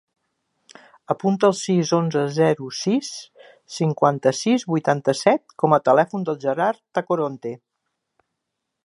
Apunta el sis, onze, zero, sis, cinquanta-sis, vuitanta-set com a telèfon del Gerard Tacoronte.